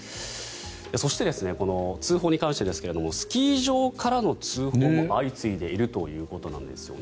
そして、通報に関してですがスキー場からの通報も相次いでいるということなんですよね。